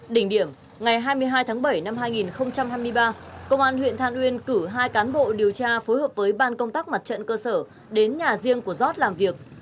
đỉnh điểm ngày hai mươi hai tháng bảy năm hai nghìn hai mươi ba công an huyện than uyên cử hai cán bộ điều tra phối hợp với ban công tác mặt trận cơ sở đến nhà riêng của giót làm việc